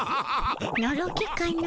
のろけかの。